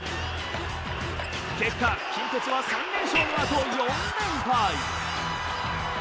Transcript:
結果近鉄は３連勝のあと４連敗。